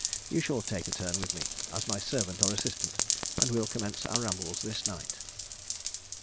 You shall take a turn with me, as my servant or assistant, and we'll commence our rambles this night."